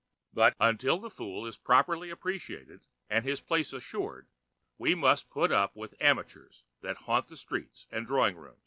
But, until the fool is properly appreciated and his place assured, we must put up with the amateurs that haunt the street and drawing room.